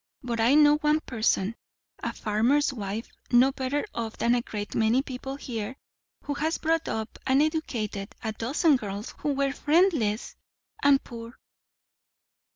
"But I know one person, a farmer's wife, no better off than a great many people here, who has brought up and educated a dozen girls who were friendless and poor."